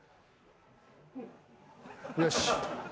よし。